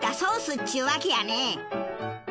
っちゅうわけやね。